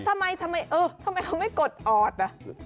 ที่ทำไมเขามันไม่กดอด